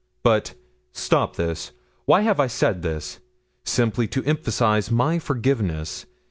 But stop this. Why have I said this? simply to emphasize my forgiveness.